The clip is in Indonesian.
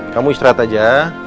kamu istirahat aja